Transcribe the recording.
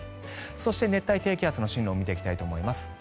そして熱帯低気圧の進路を見ていきたいと思います。